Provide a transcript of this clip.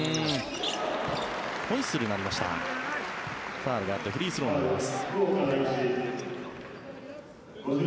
ファウルがあってフリースローになります。